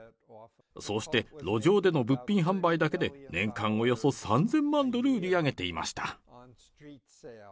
そうして路上での物品販売だけで、年間およそ３０００万ドル売り上げていました。